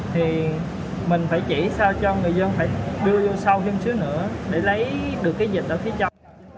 thì mình phải chỉ sao cho người dân phải đưa vô sau chút xíu nữa để lấy được cái dịch ở phía trong